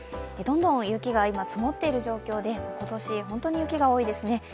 どんどん雪が今、積もっている状況で、今年、本当に雪が多いですね。